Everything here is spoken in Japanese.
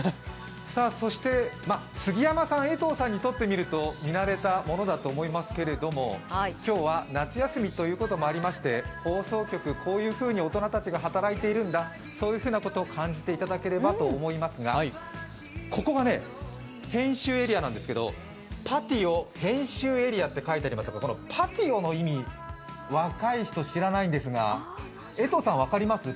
そして杉山さん、江藤さんにとってみると見慣れたものだと思いますけど今日は夏休みということもありまして放送局、こういうふうに大人たちが働いているんだ、そういうふうなことを感じていただければと思いますがここが編集エリアなんですけどパティオ編集エリアってかいてありますが、パティオの意味若い人知らないですが江藤さん、分かります？